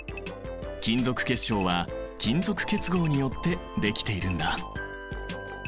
金属結晶は金属結合によってできているんだ。